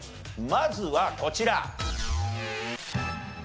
まずはこちら。